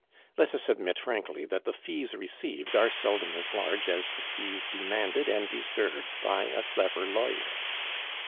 Let us admit frankly that the fees received are seldom as large as the fees demanded and deserved by a clever lawyer.